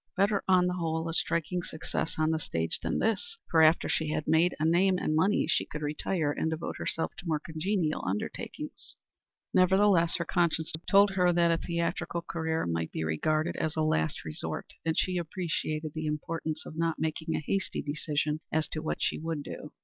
Better on the whole a striking success on the stage than this, for after she had made a name and money she could retire and devote herself to more congenial undertakings. Nevertheless her conscience told her that a theatrical career must be regarded as a last resort, and she appreciated the importance of not making a hasty decision as to what she would do.